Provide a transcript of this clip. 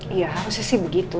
iya harusnya sih begitu